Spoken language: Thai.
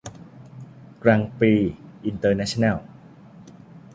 กรังด์ปรีซ์ อินเตอร์เนชั่นแนล